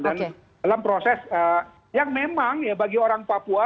dan dalam proses yang memang bagi orang papua